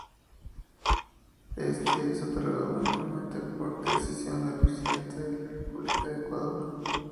Este es otorgado únicamente por decisión del Presidente de la República de Ecuador.